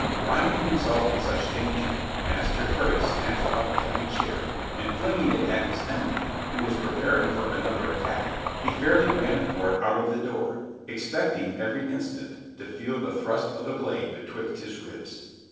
Finding himself in such danger, Master Harry snatched up a heavy chair, and, flinging it at his enemy, who was preparing for another attack, he fairly ran for it out of the door, expecting every instant to feel the thrust of the blade betwixt his ribs.